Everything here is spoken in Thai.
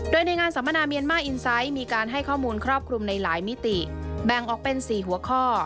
ทางรัฐบาลไทยให้ข้อมูลครอบคลุมในหลายมิติแบ่งออกเป็น๔หัวข้อ